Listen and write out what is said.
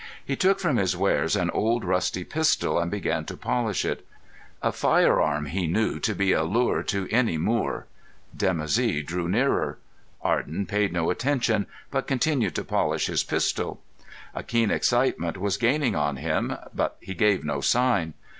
He took from his wares an old rusty pistol and began to polish it. A firearm he knew to be a lure to any Moor. Dimoussi drew nearer. Arden paid no attention, but continued to polish his pistol. A keen excitement was gaining on him, but he gave no sign.